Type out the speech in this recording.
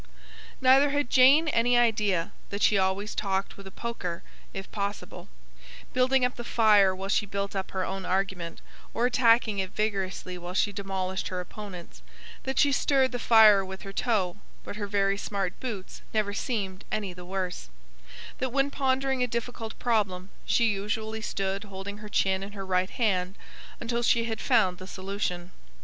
Neither had Jane any idea that she always talked with a poker, if possible; building up the fire while she built up her own argument; or attacking it vigorously, while she demolished her opponent's; that she stirred the fire with her toe, but her very smart boots never seemed any the worse; that when pondering a difficult problem, she usually stood holding her chin in her right hand, until she had found the solution.